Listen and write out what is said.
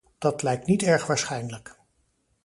Dat lijkt niet erg waarschijnlijk.